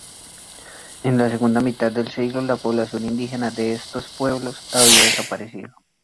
En la segunda mitad del siglo la población indígena de estos pueblos había desaparecida.